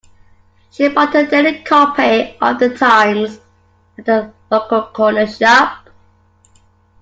She bought her daily copy of The Times at her local corner shop